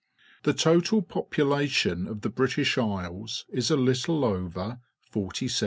The total population of the British Isles is a little over 47,000,000.